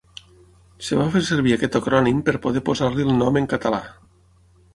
Es va fer servir aquest acrònim per poder posar-li el nom en català.